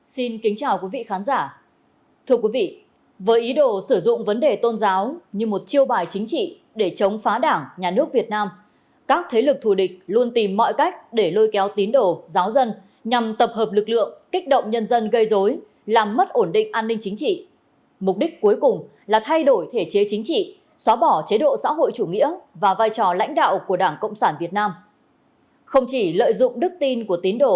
xin kính chào quý vị khán giả